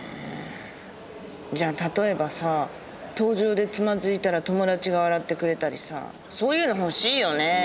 じゃあ例えばさ登場でつまずいたら友達が笑ってくれたりさそういうの欲しいよね。